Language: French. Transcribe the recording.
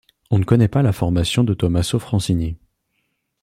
On ne connaît pas la formation de Tommaso Francini.